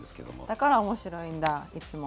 だから面白いんだいつも。